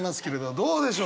どうでしょう？